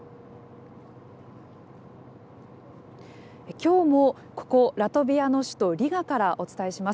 今日もここラトビアの首都リガからお伝えします。